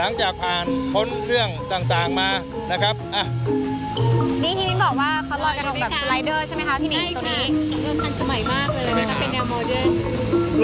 สังเกตชะน้ำมันพื้นสูงเขากลัวมันจะอันตราย